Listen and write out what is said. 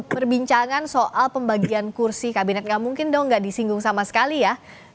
perbincangan soal pembagian kursi kabinet nggak mungkin dong nggak disinggung sama sekali ya